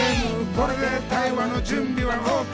「これで対話のじゅんびはＯＫ」